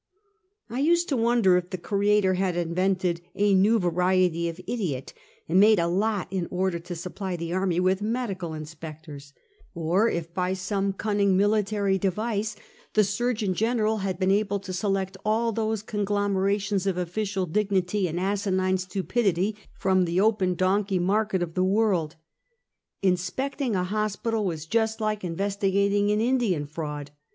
I used to wonder if the Creator had invented a new variety of idiot, and made a lot in order to supply the army with medical inspectors, or, if by some cunning military device, the Surgeon General had been able to select all those conglomerations of official dignity and asinine stupidity, from the open donkey market of the world. Inspecting a hospital was just like investiga ting an Indian fraud.